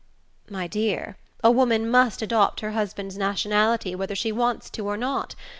"My dear, a woman must adopt her husband's nationality whether she wants to or not.